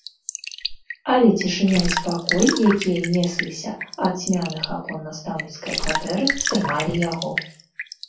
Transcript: Але цішыня і спакой, якія несліся ад цьмяных акон настаўніцкае кватэры, стрымалі яго.